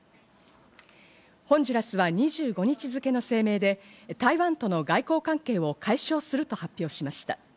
ホンジュラスは２５日付の声明で、台湾との外交関係を解消すると発表しました。